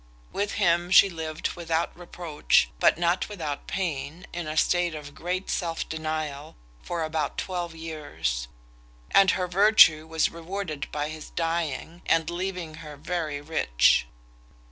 With him she lived without reproach, but not without pain, in a state of great self denial, for about twelve years; and her virtue was rewarded by his dying and leaving her very rich.